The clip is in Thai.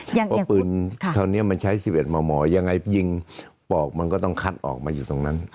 เพราะปืนคราวนี้มันใช้๑๑มมยังไงยิงปอกมันก็ต้องคัดออกมาอยู่ตรงนั้น